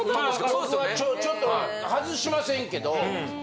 まあ僕はちょっとは外しませんけど。